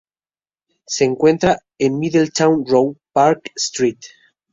Se encuentra en Middleton Row, Park Street.